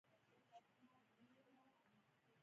مړه ته د ښه عمل دعا وکړه